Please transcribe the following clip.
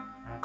tapi aku suka